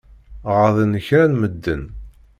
Ɣaḍen kra n medden.